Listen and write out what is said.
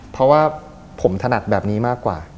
เพราะว่าผมถนัดแบบนี้มากกว่า